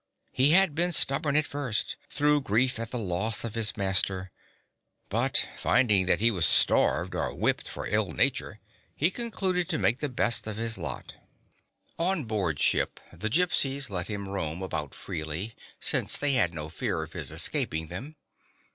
He had been stubborn at first, through grief at the loss of his master, but finding that he was starved or whipped for ill nature, he concluded to make the best of his lot. On board ship the Gypsies let him roam about freely, since they had no fear of his escap ing them.